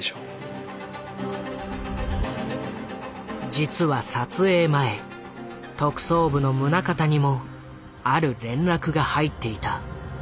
実は撮影前特捜部の宗像にもある連絡が入っていた。